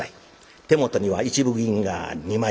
手元には一分銀が二枚。